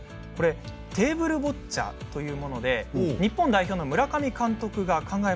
テーブルボッチャというもので日本代表の村上監督が考えました。